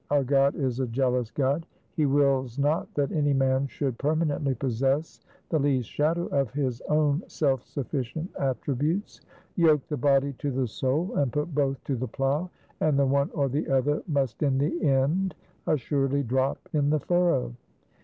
Our God is a jealous God; He wills not that any man should permanently possess the least shadow of His own self sufficient attributes. Yoke the body to the soul, and put both to the plough, and the one or the other must in the end assuredly drop in the furrow.